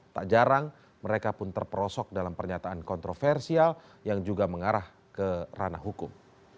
tak jarang mereka pun terperosok dalam pernyataan kontroversial yang juga mengarah ke ranah hukum